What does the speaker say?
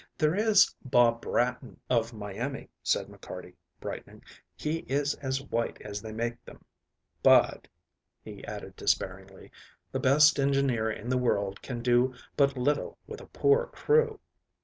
"There is Bob Bratton, of Miami," said McCarty, brightening, "he is as white as they make them; but," he added despairingly, "the best engineer in the world can do but little with a poor crew."